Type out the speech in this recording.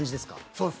そうです。